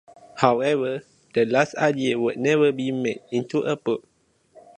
However, the last idea would never be made into a book.